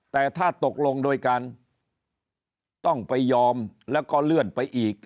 แต่ถ้าตกลงโดยการต้องไปยอมแล้วก็เลื่อนไปอีก